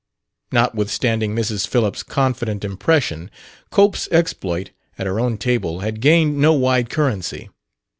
Notwithstanding Mrs. Phillips' confident impression, Cope's exploit at her own table had gained no wide currency.